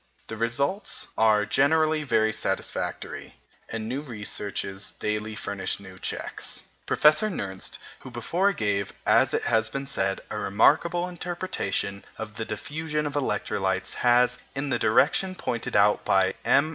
The results are generally very satisfactory, and new researches daily furnish new checks. Professor Nernst, who before gave, as has been said, a remarkable interpretation of the diffusion of electrolytes, has, in the direction pointed out by M.